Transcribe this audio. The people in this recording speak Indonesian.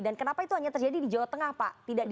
dan kenapa itu hanya terjadi di jawa tengah pak tidak ada